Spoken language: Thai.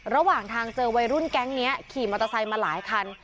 ระหว่างทางเจอวัยรุ่นแก๊งนี้ขี่มอเตอร์ไซค์มาหลายคัน